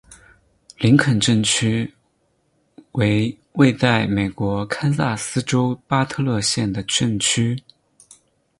林肯镇区为位在美国堪萨斯州巴特勒县的镇区。